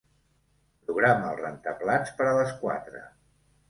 Programa el rentaplats per a les quatre.